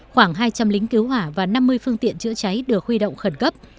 khoảng hai trăm linh lính cứu hỏa và năm mươi phương tiện chữa cháy được huy động khẩn cấp